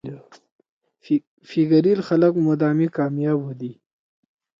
پھیگرئیل خلق مدامی کامیاب ہودی۔